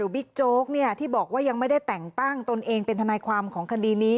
โจ๊กที่บอกว่ายังไม่ได้แต่งตั้งตนเองเป็นทนายความของคดีนี้